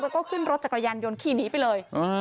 แล้วก็ขึ้นรถจักรยานยนต์ขี่หนีไปเลย